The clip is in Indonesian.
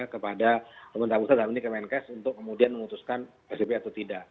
kepada pemerintah pusat dalam ini kemenkes untuk kemudian memutuskan psbb atau tidak